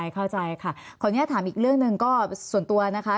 เข้าใจค่ะขออนุญาตถามอีกเรื่องหนึ่งก็ส่วนตัวนะคะ